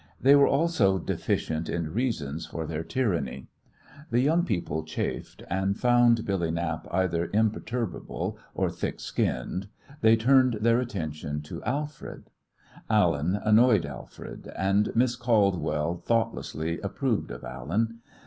They were also deficient in reasons for their tyranny. The young people chafed, and, finding Billy Knapp either imperturbable or thick skinned, they turned their attention to Alfred. Allen annoyed Alfred, and Miss Caldwell thoughtlessly approved of Allen.